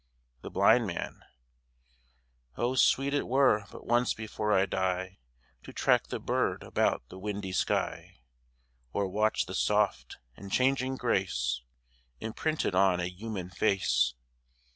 THE BLIND MAN O sweet it were but once before I die To track the bird about the windy sky, Or watch the soft and changing grace Imprinted on a human face.